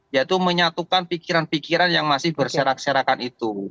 yaitu menyatukan pikiran pikiran yang masih berserak serakan itu